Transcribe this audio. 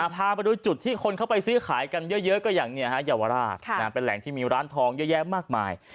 พาไปดูจุดที่คนเข้าไปซื้อขายกันเยอะก็อย่างเยาวราชเป็นแหล่งที่มีร้านทองเยอะแยะมากมาย